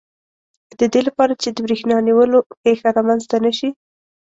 د دې لپاره چې د بریښنا نیولو پېښه رامنځته نه شي.